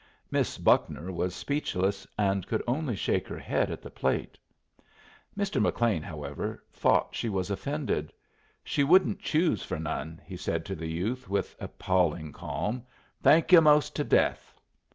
Miss Buckner was speechless, and could only shake her head at the plate. Mr. McLean, however, thought she was offended. "She wouldn't choose for none," he said to the youth, with appalling calm. "Thank yu' most to death."